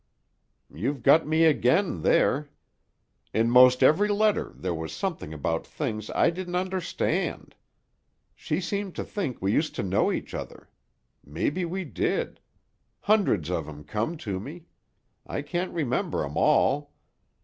"You've got me again, there. In most every letter there was something about things I didn't understand. She seemed to think we used to know each other. Maybe we did. Hundreds of 'em come to me. I can't remember 'em all.